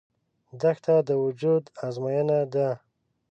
دښته د وجود ازموینه ده.